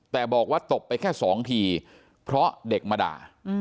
แต่บอกว่าตบไปแค่๒ทีเพราะเด็กมาด่า